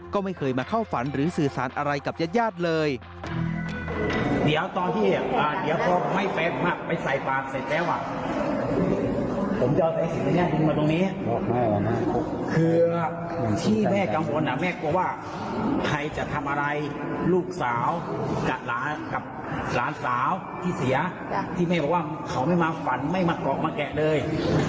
ก็ไม่เคยมาเข้าฝันหรือสื่อสารอะไรกับญาติญาติเลย